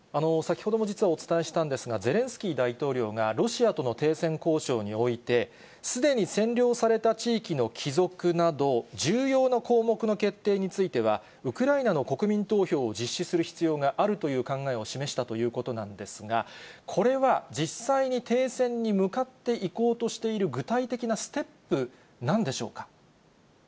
先ほども実はお伝えしたんですが、ゼレンスキー大統領がロシアとの停戦交渉において、すでに占領された地域の帰属など、重要な項目の決定については、ウクライナの国民投票を実施する必要があるという考えを示したということなんですが、これは、実際に停戦に向かっていこうとしている具体的なステップなんでしょうか。